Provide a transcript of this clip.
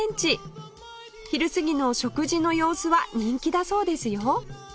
昼過ぎの食事の様子は人気だそうですよ